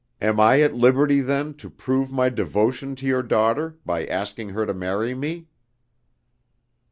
"Am I at liberty, then, to prove my devotion to your daughter by asking her to marry me?"